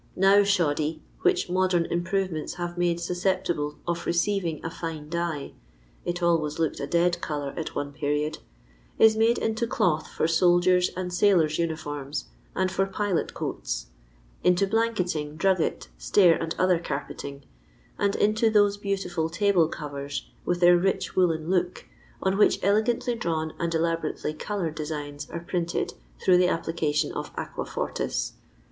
Now shoddy, which modem improvements have made suscep tible of receiving a fine dye (it always looked a dead colour at one period), is made into cloth for soldiers* and sailors* uniforms and for pilotcoato ; into bhmketing, drugget, stair and other carpeting, and into those beautiful table covers, with their rich woollen look, on which elegantly drawn and elaborately coloured designs are printed through the application of aquafortis.